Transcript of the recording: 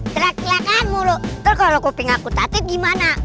terakhir kamu lho kalau kuping aku tadi gimana